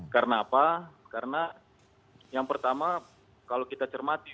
karena apa karena yang pertama kalau kita cermati